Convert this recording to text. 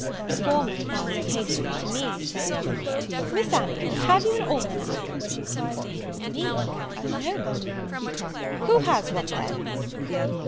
The former, advancing hastily to me, said, "Miss Anville, have you an almanack?" "Me? no, Madam." "Who has one, then?"